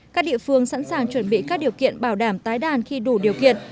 các địa phương sẵn sàng chuẩn bị các điều kiện bảo đảm tái đàn khi đủ điều kiện